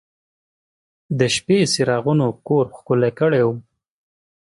د شپې څراغونو کور ښکلی کړی و.